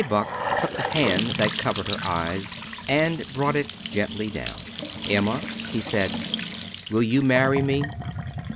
Buck took the hand that covered her eyes and brought it gently down. "Emma," he said, "will you marry me?"